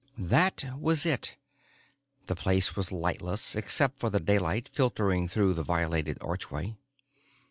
That was it. The place was lightless, except for the daylight filtering through the violated archway.